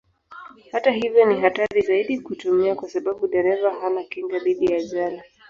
Hata hivyo ni hatari zaidi kuitumia kwa sababu dereva hana kinga dhidi ya ajali.